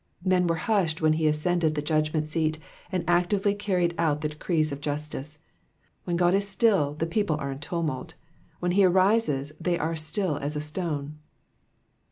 ^'' Men were hushed when he ascended the judgment seat and actively carried out the decrees of justice. When God IS still the people are in tumult ; when he arises they are still as a stone.